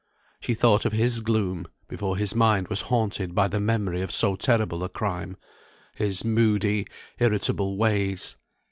She thought of his gloom, before his mind was haunted by the memory of so terrible a crime; his moody, irritable ways.